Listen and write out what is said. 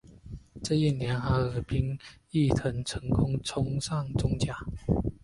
这一年哈尔滨毅腾成功冲上中甲。